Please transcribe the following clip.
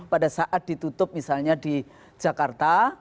pada saat ditutup misalnya di jakarta